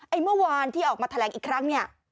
เมื่อวานที่ออกมาแถลงอีกครั้งเนี่ย